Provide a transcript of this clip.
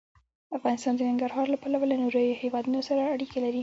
افغانستان د ننګرهار له پلوه له نورو هېوادونو سره اړیکې لري.